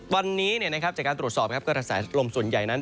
วันนี้จากการตรวจสอบกระแสลมส่วนใหญ่นั้น